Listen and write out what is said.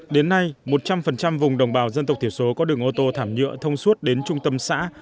đến nay một trăm linh vùng đồng bào dân tộc thiểu số có đường ô tô thảm nhựa thông suốt đến trung tâm xã